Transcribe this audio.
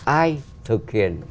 ai thực hiện